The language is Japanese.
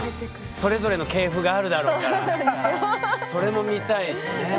それぞれの系譜があるだろうからそれも見たいしね。